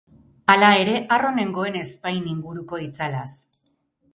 Hala ere, harro nengoen ezpain inguruko itzalaz.